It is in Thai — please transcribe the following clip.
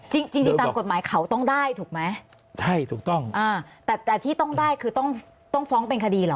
จริงจริงตามกฎหมายเขาต้องได้ถูกไหมใช่ถูกต้องอ่าแต่แต่ที่ต้องได้คือต้องต้องฟ้องเป็นคดีเหรอ